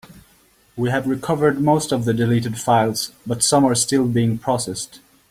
We have recovered most of the deleted files, but some are still being processed.